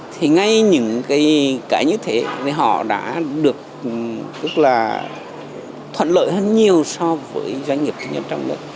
thì ngay những cái như thế thì họ đã được thuận lợi hơn nhiều so với doanh nghiệp trong nước